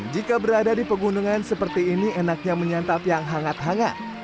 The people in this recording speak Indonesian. jika berada di pegunungan seperti ini enaknya menyantap yang hangat hangat